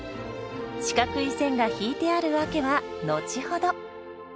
四角い線が引いてある訳は後ほど。